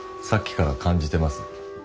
さっきから感じてます